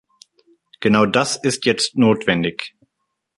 Genau das ist jetzt notwendig.